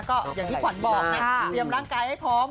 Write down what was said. ก็อย่างที่ขวัญบอกไงเตรียมร่างกายให้พร้อม